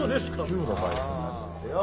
９の倍数になるんだってよ。